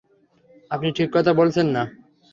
আপনি ঠিক কথা বলছেন না।